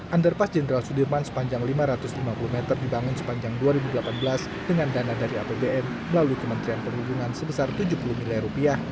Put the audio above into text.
underpass jenderal sudirman sepanjang lima ratus lima puluh meter dibangun sepanjang dua ribu delapan belas dengan dana dari apbn melalui kementerian perhubungan sebesar tujuh puluh miliar rupiah